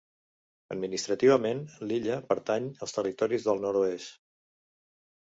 Administrativament, l'illa pertany als Territoris del Nord-oest.